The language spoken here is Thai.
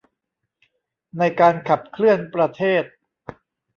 ในการขับเคลื่อนประเทศ